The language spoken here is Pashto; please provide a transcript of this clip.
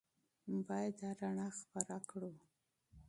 باید دا رڼا خپره کړو.